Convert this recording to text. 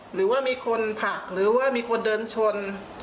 หรือว่ามีคนผลักหรือว่ามีคนเดินชน